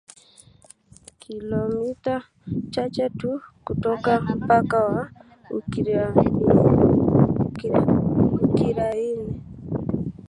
kilomita chache tu kutoka mpaka wa Ukraine